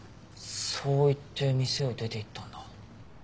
そう言って店を出て行ったんだ。